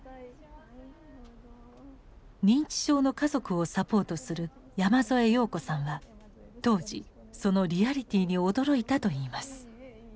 認知症の家族をサポートする山添洋子さんは当時そのリアリティーに驚いたといいます。